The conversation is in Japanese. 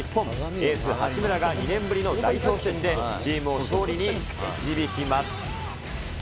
エース、八村が２年ぶりの代表戦でチームを勝利に導きます。